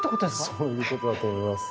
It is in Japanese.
そういう事だと思います。